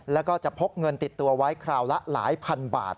แล้วก็จะพกเงินติดตัวไว้คราวละหลายพันบาท